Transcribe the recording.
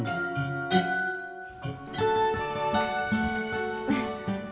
terima kasih om